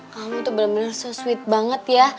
kamu tuh bener bener so sweet banget ya